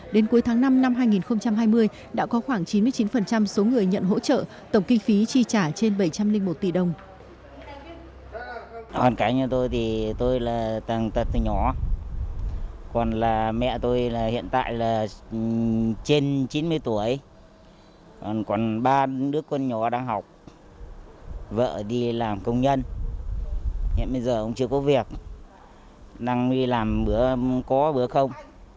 đến cuối tháng năm năm hai nghìn hai mươi đã có khoảng chín mươi chín số người nhận hỗ trợ tổng kinh phí chi trả trên bảy trăm linh một tỷ đồng